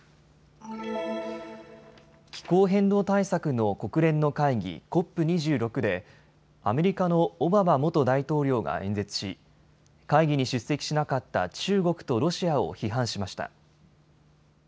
気候変動対策の国連の会議、ＣＯＰ２６でアメリカのオバマ元大統領が演説し会議に出席しなかった中国とロシアを批判しました。